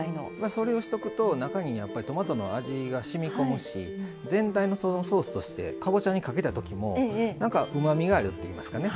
それをしとくと中にトマトの味がしみこむし全体のソースとしてかぼちゃにかけたときもうまみがあるっていいますかね。